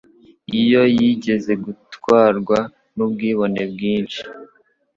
Uyu yigeze gutwarwa nubwibone bwinshi